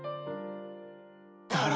だろ？